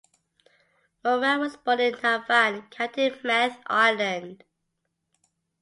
Moran was born in Navan, County Meath, Ireland.